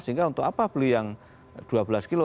sehingga untuk apa beli yang dua belas kilo